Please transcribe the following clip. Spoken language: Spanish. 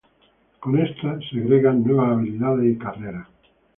Con esta se agregan nuevas habilidades y carreras.